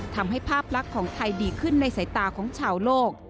ภาพลักษณ์ของไทยดีขึ้นในสายตาของชาวโลก